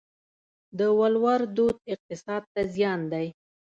د ولور دود اقتصاد ته زیان دی؟